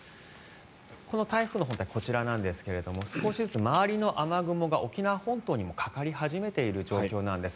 この台風の本体こちらなんですが少しずつ周りの雨雲が沖縄本島にもかかり始めている状況なんです。